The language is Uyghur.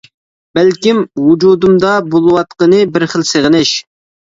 بەلكىم ۋۇجۇدۇمدا بولۇۋاتقىنى بىر خىل سېغىنىش.